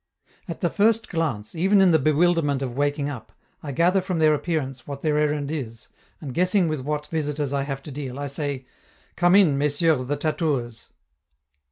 At the first glance, even in the bewilderment of waking up, I gather from their appearance what their errand is, and guessing with what visitors I have to deal, I say: "Come in, Messieurs the tattooers!"